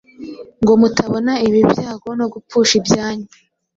ngo mutabona ibi byago no gupfusha ibyanyu.